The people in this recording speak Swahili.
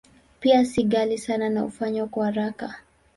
Pia si ghali sana na hufanywa kwa haraka.